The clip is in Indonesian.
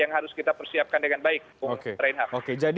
yang harus kita persiapkan dengan baik bung reinhard